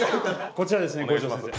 こちらですね五条先生。